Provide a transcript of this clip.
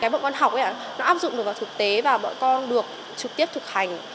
bọn con học áp dụng được vào thực tế và bọn con được trực tiếp thực hành